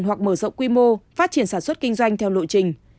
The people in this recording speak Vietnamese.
hoặc mở rộng quy mô phát triển sản xuất kinh doanh theo lộ trình